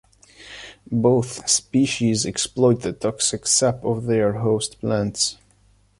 Both species exploit the toxic sap of their host plants.